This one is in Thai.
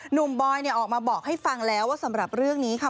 บอยเนี่ยออกมาบอกให้ฟังแล้วว่าสำหรับเรื่องนี้ค่ะ